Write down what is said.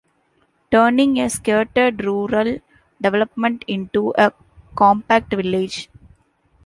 Turning a scattered rural development into a compact village.